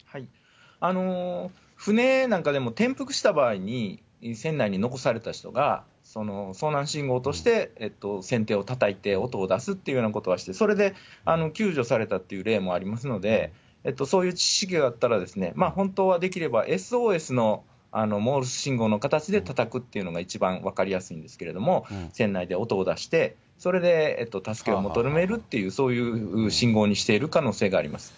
船なんかでも、転覆した場合に、船内に残された人が遭難信号として選定をたたいて音を出すというようなことはして、それで救助されたという例もありますので、そういう知識があったら、本当はできれば、ＳＯＳのモールス信号の形でたたくというのが一番分かりやすいんですけれども、船内で音を出して、それで助けを求めるという、そういう信号にしている可能性があります。